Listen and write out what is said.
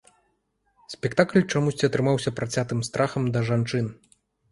Спектакль чамусьці атрымаўся працятым страхам да жанчын.